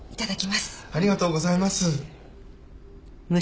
ありがとうございます。